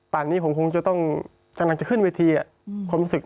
ป่านนี้ผมคงจะต้องหลังเขินวิธีอะความรู้สึกนั้น